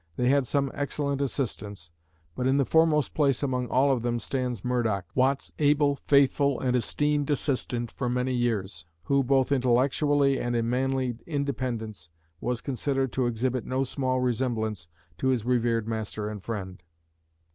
They had some excellent assistants, but in the foremost place among all of them stands Murdoch, Watt's able, faithful and esteemed assistant for many years, who, both intellectually and in manly independence, was considered to exhibit no small resemblance to his revered master and friend.